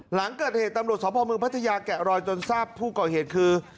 หลังเกิดเหตุตำรวจสพเมืองพัทยาแกะรอยจนทราบผู้ก่อเหตุคือ